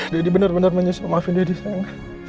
dedy bener bener menyesal maafin dedy sayang